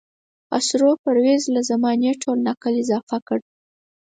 خسرو پرویز له زمانې ټول نکل اضافه کړ.